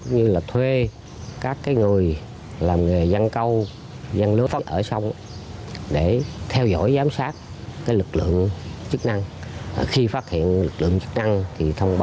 như là thuê các người làm nghề dân câu dân lưỡng ở sông